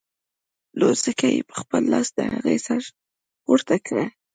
نو ځکه يې په خپل لاس د هغې سر پورته کړ.